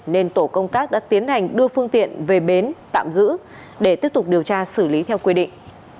nên tổ công tác đã tiến hành đưa phương tiện về bến tạm giữ để tiếp tục điều tra xử lý theo quy định